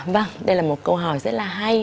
vâng đây là một câu hỏi rất là hay